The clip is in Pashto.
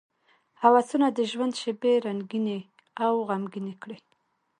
هوسونه د ژوند شېبې رنګینې او غمګینې کړي.